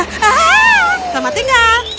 haaaa selamat tinggal